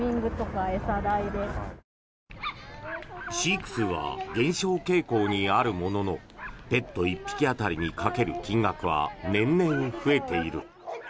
飼育数は減少傾向にあるもののペット１匹当たりにかける金額は年々増えている。